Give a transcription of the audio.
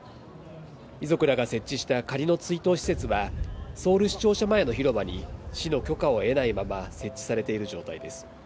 遺族らが設置した仮の追悼施設は、ソウル市庁舎前の広場に市の許可を得ないまま設置されている状態です。